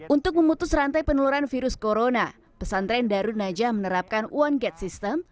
untuk memutus rantai peneloran virus corona pesantren darun najah menerapkan one gate system